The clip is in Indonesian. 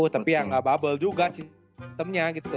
tapi yang ga bubble juga sistemnya gitu